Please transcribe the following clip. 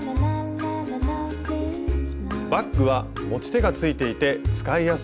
バッグは持ち手がついていて使いやすそうです。